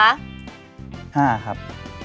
๕ครับ